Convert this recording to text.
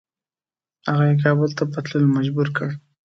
هغه یې کابل ته په تللو مجبور کړ.